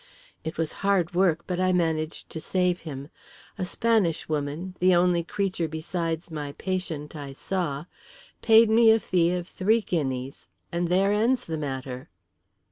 It was hard work, but I managed to save him. A Spanish woman the only creature besides my patient I saw paid me a fee of three guineas, and there ends the matter."